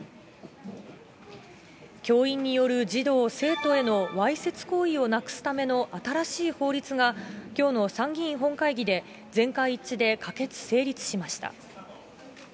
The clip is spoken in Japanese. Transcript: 教員による児童・生徒へのわいせつ行為をなくすための新しい法律が、きょうの参議院本会議で、全会一致で可決・成立しました。